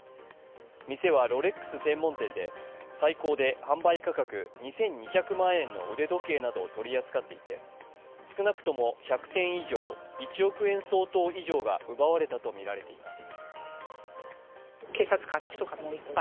店はロレックス専門店で最高で販売価格２２００万円の腕時計などを取り扱っていて少なくとも１００点以上１億円相当以上が奪われたとみられています。